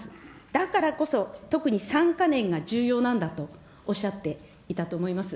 だからこそ、特に３か年が重要なんだとおっしゃっていたと思います。